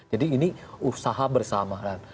jadi ini usaha bersamaan